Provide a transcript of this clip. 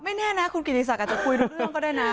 แน่นะคุณกิติศักดิ์อาจจะคุยรู้เรื่องก็ได้นะ